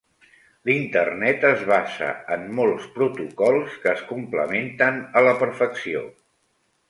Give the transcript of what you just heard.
L'Internet es basa en molts protocols que es complementen a la perfecció.